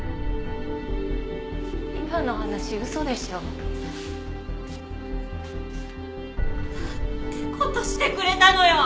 今の話嘘でしょ？なんて事してくれたのよ！